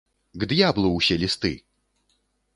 К д'яблу ўсе лісты!